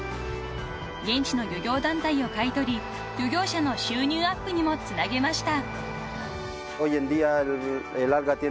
［現地の漁業団体を買い取り漁業者の収入アップにもつなげました］